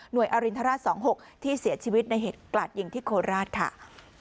หน่วยอรินทราสตร์๒๖ที่เสียชีวิตในเหตุกลาดยิงที่โคราช